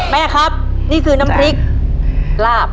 แม่ครับนี่คือน้ำพริกลาบ